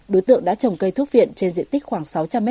đối tượng đã trồng cây thuốc viện trên diện tích khoảng sáu trăm linh m hai